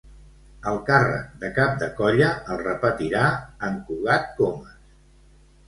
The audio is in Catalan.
El càrrec de Cap de Colla el repetirà en Cugat Comas.